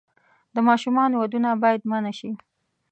د ماشومانو ودونه باید منع شي.